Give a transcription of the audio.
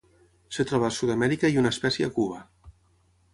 Es troba a Sud-amèrica i una espècie a Cuba.